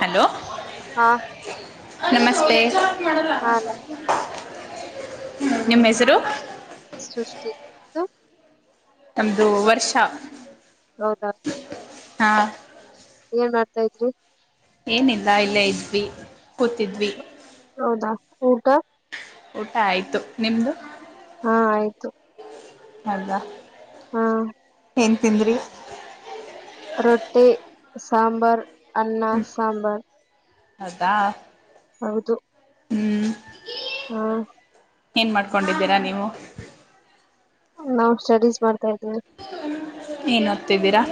Hello ಹಾ ನಮಸ್ತೆ ಹಾ ನಮಸ್ತೆ ನಿಮ್ಮ ಹೆಸರು ಸೃಷ್ಟಿ [unintelligible] ನಮ್ದು ವರ್ಷ. ಹೌದಾ ಹಾ ಏನ್ ಮಾಡ್ತಾ ಇದ್ರಿ. ಏನಿಲ್ಲ ಇಲ್ಲೇ ಇದ್ವಿ ಕೂತಿದ್ವಿ. ಹೌದಾ ಊಟ. ಊಟ ಆಯ್ತು ನಿಮ್ದು. ಹಾ ಆಯ್ತು. ಮಾಡ್ದ. ಹಾ ಏನ್ ತಿಂದ್ರಿ. ರೊಟ್ಟಿ ಸಾಂಬಾರ್ ಅನ್ನ ಹ್ಮ್ ಸಾಂಬಾರ್. ಹೌದಾ. ಹೌದು. ಹ್ಮ್ ಹಾ ಏನ್ ಮಾಡ್ಕೊಂಡಿದ್ದೀರಾ ನೀವು. ನಾವು ಸ್ಟಡೀಸ್ ಮಾಡ್ತಾ ಇದ್ದೀವಿ. ಏನೊತ್ತಿದೀರಾ.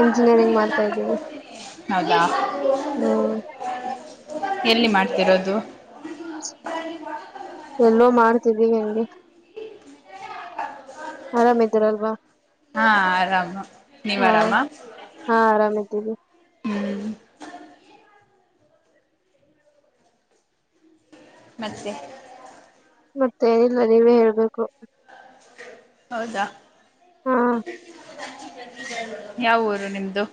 ಇಂಜಿನಿಯರಿಂಗ್ ಮಾಡ್ತಾ ಇದ್ದೀನಿ. ಹೌದಾ. ಹ್ಮ್ ಎಲ್ಲಿ ಮಾಡ್ತಿರೋದು. ಎಲ್ಲೋ ಮಾಡ್ತಿದ್ದೀವಿ ಹೆಂಗೆ. ಆರಾಮ್ ಇದ್ದೀರಲ್ವಾ. ಹಾ ಆರಾಮ. ನೀವ್ ಹಾ ಆರಾಮ ಹಾ ಆರಾಮಿದ್ದಿವಿ. ಹ್ಮ್ ಮತ್ತೆ ಮತ್ತೆ ಏನಿಲ್ಲ ನೀವೇ ಹೇಳ್ಬೇಕು. ಹೌದಾ ಹಾ ಯಾವೂರು ನಿಮ್ದು.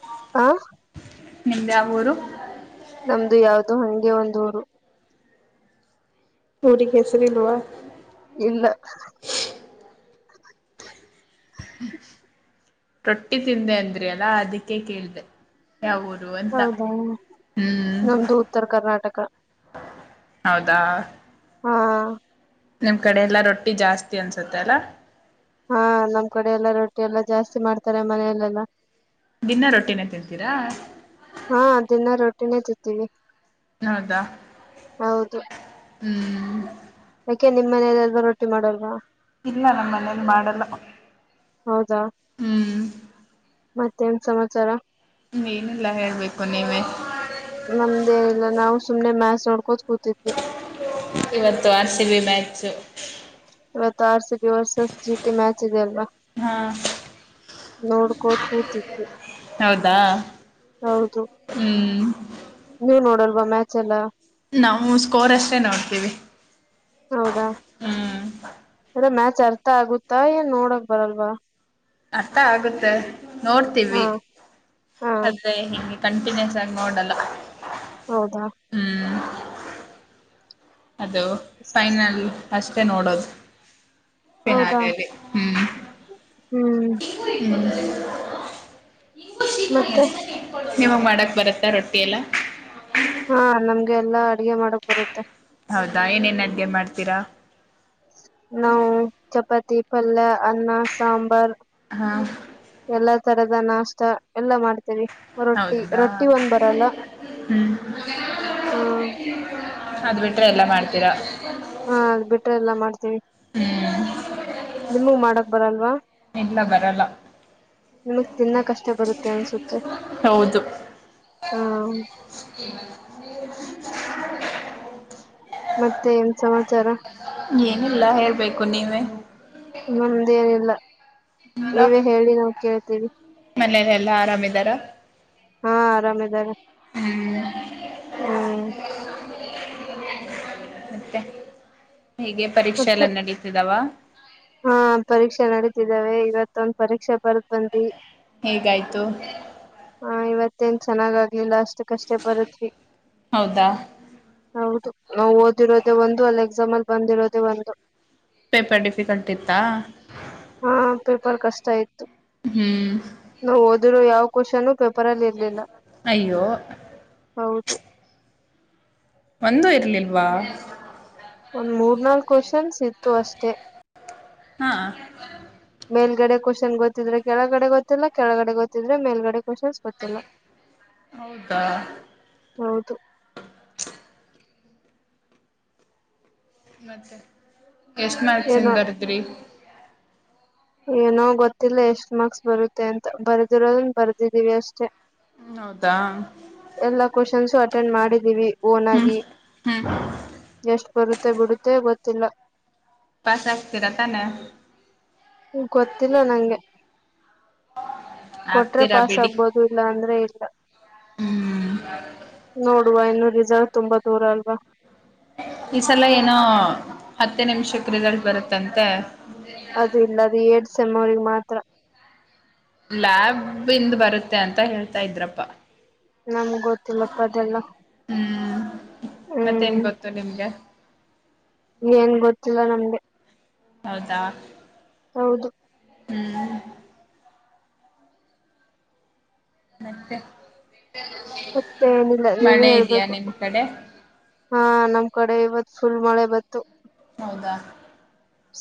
ಹ [inaudible] ಆ ನಿಮ್ದು ಯಾವೂರು. ನಮ್ದು ಯಾವ್ದೋ ಹಂಗೆ ಒಂದ ಊರು. ನಊರಿಗ ಹೆಸರಿಲ್ವಾ ಇಲ್ಲ ರೊಟ್ಟಿ ತಿಂದೆ ಅಂದ್ರರಿ ಅಲ್ಲಾ ಅದಕ್ಕೆೇ ಕೇಳ್ದೆ. ಯಾ ಊರು ಅಂತ ಹೌದಾ ಹ್ಮ್. ನಮ್ದು ಉತ್ತರ ಕರ್ನಾಟಕ ಹೌದಾ ಹಾ ನಿಮ್ ಕಡೆ ಎಲ್ಲಾ ರೊಟ್ಟಿ ಜಾಸ್ತಿ ಅನ್ಸುತ್ತೆ ಅಲ್ಲ. ಹಾ ನಮ್ ಕಡೆ ಎಲ್ಲ ರೊಟ್ಟಿ ಎಲ್ಲಾ ಜಾಸ್ತಿ ಮಾಡ್ತಾರೆ ಮನೆಯಲ್ಲೆಲ್ಲ. ದಿನ್ನಾ ರೊಟ್ಟಿನೇ ತಿನ್ಂತೀರಾ. ಹಾ ದಿನ್ನಾ ರೋಟ್ಟಿನೇ ತಿತ್ತೀವಿ. ಹೌದಾ ಹ್ಮ್ ಕೆ ನಿಮ್ ಮನೆಲೆಲ್ರು ರೋಟಿ ಮಾಡಲ್ವಾ. ಇಲ್ಲ ನಮ್ಮ ಮನೇಲಿ ಮಾಡಲ್ಲ. ಹೌದಾ ಹ್ಮ್ ಮತ್ತೇನ್ ಸಮಾಚಾರ ಏನಲ್ಲಾ ಹೇಳ್ಬೇಕು ನೀವೇ ನಮ್ದೇನಿಲ್ಲ ನಾವು ಸುಮ್ನೆ ಮಾ್ಯಾಸ್ ನೋಡ್ಕೋ ಇವತ್ತು ಆರ್ ಸಿಿ ಬಿ ಮ್ಯಾಚ್ು ತಾರ್ ಸ ಸಸ್ ಜೀಟ ಮ್ಯಾಚ ಜಲ ಹಾ ನೋಡ್ಕೋದ ಕೂತಿದ್ವಿ ಹೌದಾ ಹೌದು ಹ್ಮ್ ನೀವ ನೋಡಲ್ವಾ ಮ್ಯಾಚ್ ಎಲ್ಲ ನಾವು ಸ್ಕೋರ್ ಅಷ್ಟೇ ನೋಡ್ತೀವಿ ಹೌದಾ ಹ್ಮ್ ಚರ್ಥ ಆಗುತ್ತಾ ಏನ್ ನೋಡಕ್ ಬರಲ್ವಾ ಅಷ್ಟ ಆಗುತ್ತೆ ಹಾ ನೋಡ್ತೀವಿ ಹಾ ಅದೇ ಹಿಗೆ ಕಂಟಿನ್ಯೂಸ್ ಆಾಗಿಿ ನೋಡಲ್ಲ ಹೌದಾ ಹ್ಮ್ ಅದು ಫೈನಲ್ ಅಷ್ಟೇ ನೋಡೋದು ಪನ್ನ ಹೌದಾ ಅದೇಲ್ಲಿ ಹ್ಮ್ ಹ್ಮ್ ಮತ್ತೆ ನೀಮಗೆ ಮಾಡಕ್ ಬರತ್ತಾ ರೊಟ್ಟಿ ಎಲ್ಲ ಹಾ ನಮ್ಗೆ ಎಲ್ಲಾ ಅಡ್ಗೆ ಮಾಡಕ್ ಬರುತ್ತೆ ಹೌದಾ ಏನೇನ್ ಅಡ್ಗೆ ಮಾಡ್ತೀರಾ ನಾವು ಚಪಾತಿ ಪಲ್ಯ ಅನ್ನ ಸಾಂಬಾರ್ ಹಾ ಎಲ್ಲಾ ತರದ ನಾಷ್ಟ ಎಲ್ಲಾ ಮಾಡ ಹೌದದಾ ಹ್ಮ್ ಹ್ಮ್ ಅದ್ ಬಿಟ್ರೆ ಎಲ್ಲಾ ಮಾಡ್ತೀರಾ ಹಾ ಅದ್ ಬಿಟ್ರೆ ಎಲ್ಲ ಮಾಡ್ತೀವಿ ಹ್ಮ್ ನಿಮಗ್ ಮಾಡಕ್ ಬರಲ್ವಾ ಇಲ್ಲ ಬರಲ್ಲ ನಿಮಗ್ ತಿನ್ನ ಕಷ್ಟ ಬರುತ್ತೆ ಅನ್ಸುತ್ತೆ ಹೌದು ಹ್ಮ ಹ ಮತ್ತೆ ಏನ್ ಸಮಾಚಾರ ಏನಿಲ್ಲ ಹೇಳ್ಬೇಕು ನೀವೇ ನಮಂದೇನಿಲ್ಲ ನೀವೇ ಹೇಳಿ ನಾವು ಕೇಳ್ತೀವಿ ಮನೇಲೆ ಎಲ್ಲಾ ಆರಾಮಿದಾರ ಹಾ ಆರಾಮೇದಾರೆ ಹ್ಮ್ ಹ್ಮ್ ಮತ್ತೆ ಹೀಗೆ ಪರೀಕ್ಷೆ ಎಲ್ಲ ಮತ್ತೆ ನಡೀತಿದಾವ ಹಾ ಪರೀಕ್ಷೆ ನಡೀತಿದ್ದಾವೆ ಇವತ್ತೊಂದ ಪರೀಕ್ಷೆ ಬರ್ ಹೇಗಾಯ್ತು ಹ ಇವತ್ತೇನ್ ಚೆನ್ನಾಗ್ ಆಗ್ಲಿಲ್ಲ ಅಷ್ಟು ಕಷ್ಟೇ ಬರುದ್ವಿ ಹೌದಾ ಹೌದು ನಾ ಓದಿರೋದೆೇ ಒಂದು ಅಲ್ಲಿ ಎಕ್ಸಾಮ್ ಅಲ್ಲಿ ಬಂದಿರೋದೆೇ ಒಂದು ಪೇಪರ್ ಡಿಫಿಕಲ್ಟ್ ಇತ್ತಾ ಹಾ ಪೇಪರ್ ಕಷ್ಟ ಆಯ್ತ ಹ್ಮ್ ಇದ ಯಾವ ಕ್ವಶನ್ ಪೇಪರ್ ಅಲ್ಲಿ ಇರ್ಲಿಲ್ಲ ಅಯ್ಯೋ ಹೌದು ಒಂದೂ ಇರ್ಲಿಲ್ವಾ ಒಂದ್ ಮೂರ್ನಾಾಲ್ಕ ಕ್ವಶನ್ಸ್ ಇತ್ತು ಅಷ್ಟೇ ಹಾ ಮೇಲ್ಗಡೆ ಕ್ವಶನ್ ಗೊತ್ತಿದ್ರೆ ಕೆಳಗಡೆ ಗೊತ್ತಿಲ್ಲ ಕೆಳಗಡೆ ಗೊತ್ತಿದ್ರೆ ಮೇಲ್ಗಡೆ ಕ್ವಶನ್ಸ್ ಗೊತ್ತಿಲ್ಲ ಹೌದಾ ಹೌದು ಮತ್ತೆ ಎಷ್ಟು ಏನೋ ಮಾರ್ಕ್ಸಿಂದ್ ಬರ್ದ್ರಿ ಏನೋ ಗೊತ್ತಿಲ್ಲ ಎಷ್ಟ್ ಮಾರ್ಕ್ಸ್ ಬರುತ್ತೆ ಅಂತ ಬರ್ದಿರೋದನ್ ಬರ್ದಿದೀವಿ ಅಷ್ಟೇ. ಹೌದಾ ಎಲ್ಲಾ ಕ್ವಾಶೆನ್ಸು ಅಟೆಂಡ್ ಮಾಡಿದೀವಿ. ಹ್ಮ್ ಓನಗಿ ಹ್ಮ್ ಎಷ್ಟ್ ಬರುತ್ತೆ ಬಿಡುತ್ತೆ ಗೊತ್ತಿಲ್ಲ. ಪಾಸ್ ಆಗ್ತಿರ ತಾನೆ. ಹ್ಮ ಗೊತ್ತಿಲ್ಲ ನಂಗೆ. ಕೊಟ್ರೆ ಆಗ್ತೀರಾ ಪಾಸ್ ಬಿಡಿ ಆಗ್ಬೋದು ಇಲ್ಲ ಅಂದ್ರೆ ಇಲ್ಲ. ಹ್ಮ್ ನೋಡುವ ಇನ್ನು ರಿಸಲ್ವ್ ತುಂಬಾ ದೂರ ಅಲ್ವಾ. ಈ ಸಲ ಏನೋ ಹತ್ತೇ ನಿಂಮ್ಷಕ್ ರಿಸಲ್ಟ್ ಬರುತ್ತಂತೆ. ಅದು ಇಲ್ಲ ಅದು ಎಡ್ ಸೆವರ್ವ್ರಿಗೆ ಮಾತ್ರ. ಲ್ಯಾಬ್ ಇಂದ್ ಬರುತ್ತೆ ಅಂತ ಹೇಳ್ತಾ ಇದ್ರಪ್ಪ. ನಮ್ಗ್ ಗೊತ್ತಿಲ್ಲಪ್ಪ ಅದೆಲ್ಲ. ಮತ್ತೆನ್ ಹ್ಮ್ ಗೊತ್ತು ನಿಮ್ಗೆ. ಏನ್ ಗೊತ್ತಿಲ್ಲ ನಮ್ ಹೌದಾ ಹೌದು ಹ್ಮ್ ಮತ್ತೆ ಮತ್ತೆ ಏನಿಲ್ಲ ನೀವೇ ಮಳೆ ಇದೆಯಾ ಹೇಳ್ಬೇಕು ನಿಮ್ ಕಡೆ ಹಾ ನಮ ನಿಮ್ ಕಡೆ ಇವತ್ತು ಫುಲ್ ಮಳೆ ಬತ್ತು. ಹೌದಾ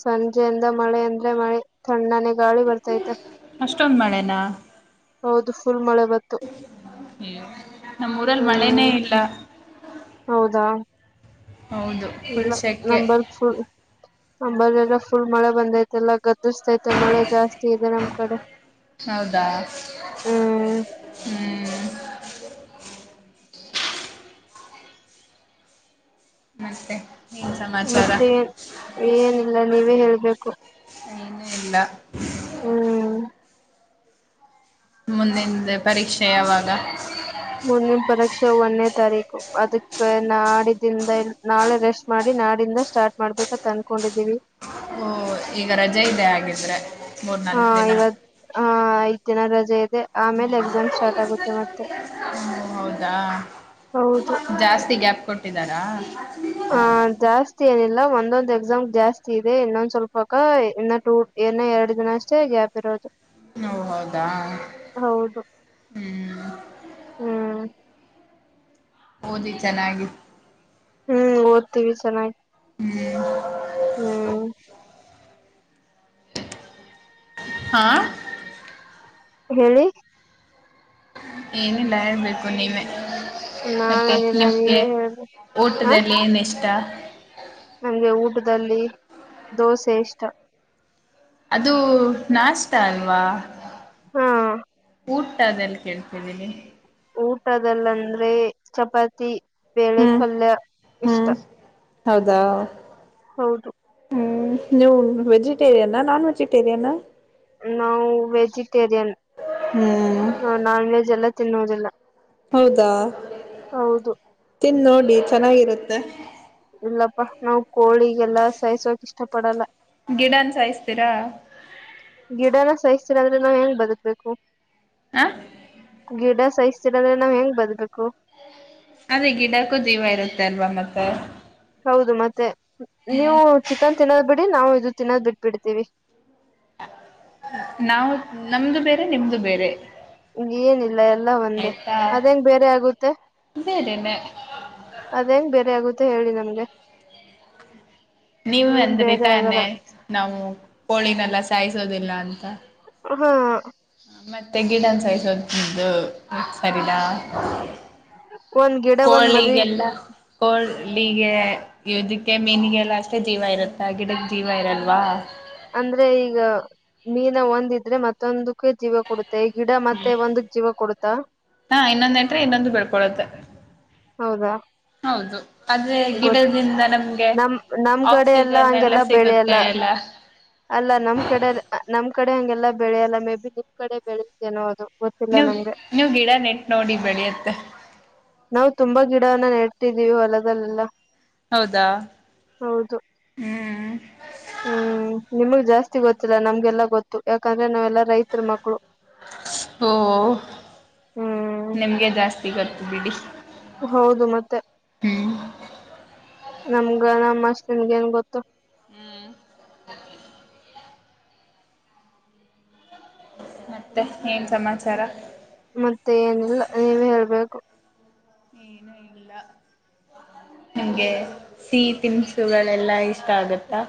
ಸಂಜೆಯಿಂದ ಮಳೆ ಅಂದ್ರೆ ಮಳೆ ತಣ್ಣನೇ ಗಾಳಿ ಬರ್ತೈತೆ ಅಷ್ಟೊಂದು ಹೌದು. ಫುಲ್ ಮಳೆ ಬತ್ತು ನಮ್ಮೂರಲ್ ಹ್ಮ್ ಮಳೆನೇ ಇಲ್ಲ. ಹೌದಾ ಹೌದು ಇಲ್ಲ ಫುಲ್ ಸೆಕೆ ನಂಬರ್ [unintelligible] ನಂಬಲ್ ಎಲ್ಲ ಫುಲ್ ಮಳೆ ಬಂದೈತೆಲ್ಲ ಗದ್ದಿಸಸ್ತೈತೆ ಮಳೆ ಜಾಸ್ತಿ ಇದೆ ನಮ್ ಕಡೆ. ಹೌದಾ ಹ್ಮ್ ಹ್ಮ್ [unintelligible] ಸಮಾಚಾರ ಮತ್ತೆ ಏನಿಲ್ಲ ನೀವೇ ಹೇಳ್ಬೇಕು. [unintelligible] ಇಲ್ಲ ಹ್ಮ್ ಮುಂದಿದ್ ಪರೀಕ್ಷೆ ಯಾವಾಗ. ಮುಂದಿನ್ ಪರೀಕ್ಷೆ ಒನ್ನೆ ತಾರೀ ಅದಕ್ ನಾಡಿದಿಂದ ನಾಳೆ ರೆಸ್ಟ್ ಮಾಡಿ ನಾಡಿಂದ ಸ್ಟಾರ್ಟ್ ಮಾಡ್ಬೇಕತ್ ಅನ್ಕೊಂಡಿದೀವಿ. ಓ ಈಗ ರಜೆ ಇದೆ ಆಗಿದ್ರೆ ಹಾ ಇವತ್ ಹ ಐದ್ ದಿನ ರಜೆ ಇದೆ ಆಮೇಲ್ ಎಕ್ಸಾಮ್ ಸ್ಟಾರ್ಟ್ ಆಗುತ್ತೆ ಮತ್ತೆ. ಹ್ಮ ಹೌದಾ ಹೌದು ಜಾಸ್ತಿ ಗ್ಯಾಪ್ ಕೊಟ್ಟಿದ್ದಾರಾ. ಆ ಜಾಸ್ತಿ ಏನಿಲ್ಲ ಒಂದೊಂದ್ ಎಕ್ಸಾಮ್ ಜಾಸ್ತಿ ಇದೆ ಇನ್ನೊಂದ್ ಸ್ವಲ್ಪಕ್ಕ ಇನ್ನ ಟು ಇನ್ನ ಎರಡ್ಡ್ ದಿನ ಅಷ್ಟೇ ಗ್ಯಾಪ್ ಇರೋದು. ಹೋ ಹೌದಾ ಹೌದು ಹ್ಮ್ ಹ್ಮ್ ಓದಿ ಚೆನ್ನಾಗಿ ಹ್ಮ್ ಓದ್ತಿವಿ ಚೆನ್ನಾಗಿ ಹ್ಮ್ ಹ್ಮ್ ಹಾ ಹೇಳಿ ಏನಿಲ್ಲ ಹೇಳ್ಬೇಕು ನೀನೆ. ಮತ್ತೆ ನಾವೇನಿಲ್ಲ ನಿಮ್ಗೆ ನೀವೇ ಹೇಳ್ರಿ ಊಟದಲ್ಲಿ ಏನ್ ಇಷ್ಟ. ನಂಗೆ ಊಟದಲ್ಲಿ ದೋಸೆ ಇಷ್ಟ. ಅದು ನಾಸ್ಟಾ ಅಲ್ವಾ. ಹಾ. ಊಟದಲ್ಲಿ ಕೇಳ್ತಿದ್ದೀನಿ. ಊಟದಲ್ಲಂದ್ರೆ ಚಪಾತಿ ಬೇಳೆ ಹ್ಮ್ ಪಲ್ಯ ಇಷ್ಟ. ಹ್ಮ್ ಹೌದಾ. ಹೌದು. ಹ್ಮ್ ನೀವು ವೆಜಿಟೇರಿಯನ್ನ ನಾನ್ ವೆಜಿಟೇರಿಯನಾ. ನಾವು ವೆಜಿಟೇರಿಯನ್ ಹ್ಮ್ ನಾನ್ ವೆಜ್ ಎಲ್ಲ ತಿನ್ನುವುದಿಲ್ಲ. ಹೌದಾ ತಿಂದ್ ನೋಡಿ ಚೆನ್ನಾಗಿರುತ್ತೆ. ಲ್ಲಪ್ಪಾ ನಾವ್ ಕೋಳಿಗೆಲ್ಲ ಸಾಯಿಸೋಕ ಇಷ್ಟ ಪಡಲ್ಲ. ಗಿಡನ್ ಸಾಯಸ್ತೀರಾ. ಗಿಡನ ಸಾಯಿಸ್ತೀರ ಅಂದ್ರೆ ನಾವ್ ಹೆಂಗ್ ಬದುಕ್ಬೇಕು. ಆ. ಗಿಡ ಸಹಿಸ್ತೀರ ಅಂದ್ರೆ ನಾವ್ ಹೆಂಗ್ ಬದ್ಬೇಕು. ಅದೇ ಗಿಡಕ್ಕೂ ಜೀವ ಇರುತ್ತೆ ಅಲ್ವಾ ಮತ್ತೆ. ಹೌದು ಮತ್ತೆ ನೀವು ಚಿಕನ್ ತಿನ್ನೋದ್ ಬಿಡಿ ನಾವು ಇದು ತಿನ್ನೋದ್ ಬಿಟ್ ಬಿಡ್ತೀವಿ. ನಾವು ನಮ್ದು ಬೇರೆ ನಿಮ್ದು ಬೇರೆ. ಏನಿಲ್ಲ ಎಲ್ಲ ಒಂದೇ ಆಯ್ತಾ ಅದೇಂಗ್ ಬೇರೆ ಆಗುತ್ತೆ. ಬೇರೆನೆ ಅದೇಂಗ ಬೇರೆ ಆಗುತ್ತೆ ಹೇಳಿ ನಮ್ಗೆ. ನೀವು ಏನ್ ಅಂದ್ರಿ ಬೇರೆ ತಾನೆ ಆಗಲ್ಲ ನಾವು ಕೋಳಿನೆಲ್ಲ ಸಾಯಿಸೋದಿಲ್ಲ ಅಂತ. ಹಾ. ಮತ್ತೆ ಗಿಡನ್ ಸಾಯಿಸೋದು. ಬರಿಲಾ ಒಂದ್ ಗಿಡ ಒಂದ್ ಮರಿ ಕೋಳಿಗೆಲ್ಲ. ಕೋಳಿಗೆ ಇದಕ್ಕೆ ಮೀನಿಗೆಲ್ಲ ಅಷ್ಟೇ ಜೀವ ಇರುತ್ತೆ ಗಿಡಕ್ಕೆ ಜೀವ ಇರಲ್ವಾ. ಅಂದ್ರೆ ಈಗ ಮೀನ ಒಂದಿದ್ರೆ ಮತ್ತೊಂದಕ್ಕೆ ಜೀವ ಕೊಡುತ್ತ. ಮತ್ತೆ ಗಿಡ ಮತ್ತೆ ಒಂದ ಜೀವ ಕೊಡುತ್ತಾ. ಹಾ ಇನ್ನೊಂದಂಟ್ರೆ ಇನ್ನೊಂದು ಬೆಳ್ಕೊಳುತ್ತೆ ಹೌದಾ ಹೌದು. ಆದ್ರೆ ಗೊತ್ ಗಿಡದಿಂದ ನಮ್ಗೆ ನಮ್ ನಮ್ ಕಡೆ ಆಕ್ಸಿಜನ್ ಎಲ್ಲ ಸಿಗುತ್ತೆ ಎಲ್ಲ. ಅಲ್ಲಾ ನಮ್ ಕಡೆ ನಮ್ ಕಡೆ ಹಂಗೆಲ್ಲ ಬೆಳೆಯಲ್ಲ ಮೇ ಬಿ ನಿಮ್ ಕಡೆ ಬೆಳೆಯತೇನೋ ಅದು. ಗೊತ್ತಿಲ್ಲ ನೀವ ನಮ್ಗೆ ನೀವ್ ಗಿಡ ನೆಟ್ ನೋಡಿ ಬೆಳಿಯತ್ತ. ನಾವು ತುಂಬಾ ಗಿಡವನ್ನ ನೆಡ್ತಿದ್ದೀವು ಹೊಲದಲ್ಲೆಲ್ಲ. ಹೌದಾ ಹೌದು ಹ್ಮ್ ಹ್ಮ್ ನಿಮಗ್ ಜಾಸ್ತಿ. ಜಾಸ್ತಿ ಗೊತ್ತಿಲ್ಲ ನಮ್ಗೆಲ್ಲಾ ಗೊತ್ತು ಯಾಕಂದ್ರೆ ನಾವೆ ಲ್ಲ ರೈತರ ಮಕ್ಳು. ಓ ಹ್ಮ್ ನಿಮ್ಗೆ ಜಾಸ್ತಿ ಗೊತ್ತು ಬಿಡಿ. ಹೌದು ಮತ್ತೆ. ಹ್ಮ್ ನಮ್ಗ ನಮ್ಮ ಅಷ್ಟ ನಿಂಗೇನ್ ಗೊತ್ತು. ಮತ್ತೆ ಏನ್ ಸಮಾಚಾರ. ಮತ್ತೆ ಏನಿಲ್ಲ ನೀವೆ ಹೇಳ್ಬೇಕು. ಏನು ಇಲ್ಲ. ನಮಗೆ ಸಿಹಿ ತನ್ಸುಗಳೆಲ್ಲಾ ಇಷ್ಟ ಆಗತ್ತಾ.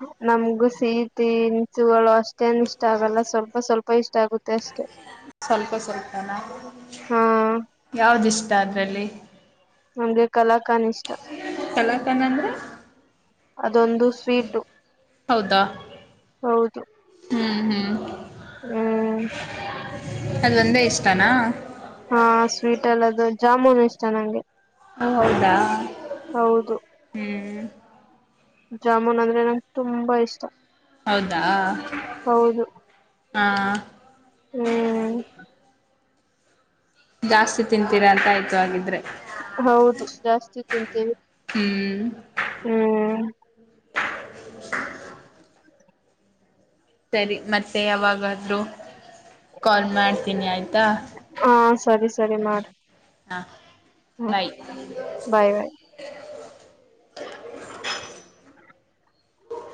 ಹ. ನಮ್ಗು ಸೀತಿ ಇಂಚುಗಳು ಅಷ್ಟೇನ್ ಇಷ್ಟ ಆಗಲ್ಲ ಸ್ವಲ್ಪ ಸ್ವಲ್ಪ ಇಷ್ಟ ಆಗುತ್ತೆ ಅಷ್ಟೇ. ಸ್ವಲ್ಪ ಸ್ವಲ್ಪನಾ ಯಾವ್ದಿಷ್ಟ ಅದ್ರಲ್ಲಿ. ನಮ್ಗೆ ಕಲಾ ಕನ್ ಇಷ್ಟ. ಕಲಾಕಂಡ್ ಅಂದ್ರೆ ಅೊಂದು ಸ್ವೀಟ ಹೌದಾ ಹೌದು. ಹ್ಮ್ ಹ್ಮ್ ಹ್ಮ್. ಅದ ಒಂದೇ ಇಷ್ಟನಾ. ಹಾ ಸ್ವೀಟ್ ಎಲ್ಲದು ಜಾಮೂನು ಇಷ್ಟ ನಂಗೆ. ಹ ಹೌದಾ. ಹೌದು ಹ್ಮ್ ಜಾಮೂನ್ ಅಂದ್ರೆ ನಂಗೆ ತುಂಬಾ ಇಷ್ಟ ಹೌದಾ ಹೌದು ಹಾ ಹ್ಮ್ ಜಾಸ್ತಿ ತಿಂತೀರಾ ಅಂತ ಆಯ್ತು ಹಾಗಿದ್ರೆ ಹೌದು ಜಾಸ್ತಿ ತಿಂತೀವಿ ಹ್ಮ್ ಹ್ಮ್ [inaudible] ಸರಿ ಮತ್ತೆ ಯಾವಾಗಾದ್ರೂ ಕಾಲ್ ಮಾಡ್ತೀನಿ ಆಯ್ತಾ ಹಾ ಸರಿ ಸರಿ ಮಾಡಿ ಹಾ ಹ್ಮ ಬಾಯ್ ಬಾಯ್ ಬಾಯ್ [unintelligible]